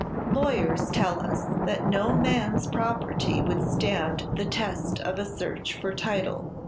"Lawyers tell us that no man's property would stand the test of a search for title.